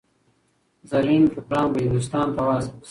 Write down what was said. زرین ټوکران به هندوستان ته واستول شي.